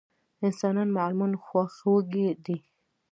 انسانان معمولا خواخوږي دي.